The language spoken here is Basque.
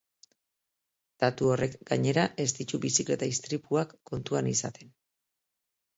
Datu horrek, gainera, ez ditu bizikleta istripuak kontuan izaten.